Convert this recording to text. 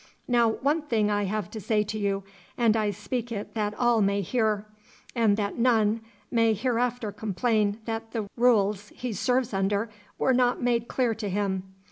Now one thing I have to say to you, and I speak it that all may hear, and that none may hereafter complain that the rules he serves under were not made clear to him.